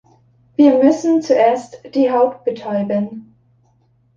Wir müssen zuerst die Haut betäuben.